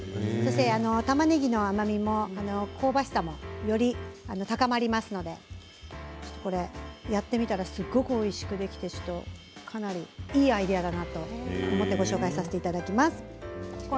たまねぎの甘みも香ばしさもより高まりますのでやってみたらすごくおいしいのでいいアイデアだなと思って紹介させていただきます。